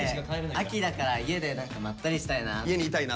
秋だから家でまったりしたいな。